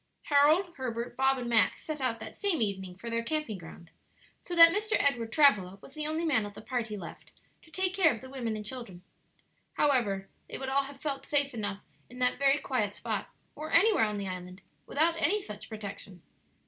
Harold, Herbert, Bob, and Max set out that same evening for their camping ground; so that Mr. Edward Travilla was the only man of the party left to take care of the women and children. However, they would all have felt safe enough in that very quiet spot, or anywhere on the island, without any such protection.